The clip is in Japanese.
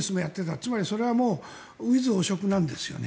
つまりそれはウィズ汚職なんですよね。